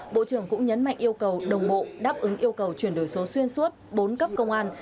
bộ trưởng cũng nhấn mạnh yêu cầu đồng bộ đáp ứng yêu cầu chuyển đổi số xuyên suốt bốn cấp công an